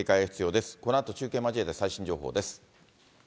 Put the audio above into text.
このあと中継交えて最新情報です。